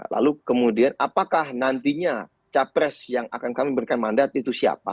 lalu kemudian apakah nantinya capres yang akan kami berikan mandat itu siapa